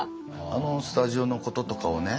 あのスタジオのこととかをね